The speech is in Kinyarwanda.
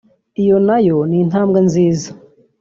iyo na yo ni intambwe nziza